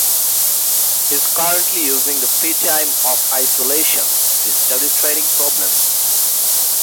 He is currently using the free time of isolation to study training problems.